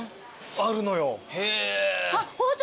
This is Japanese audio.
あるのよ。